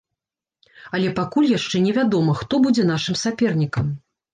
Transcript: Але пакуль яшчэ невядома, хто будзе нашым сапернікам.